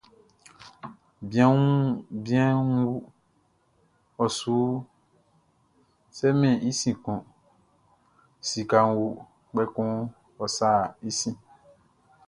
Bianʼn wu, ɔ su sɛmɛn i sin kun; sikaʼn wu, kpɛkun ɔ sa sin.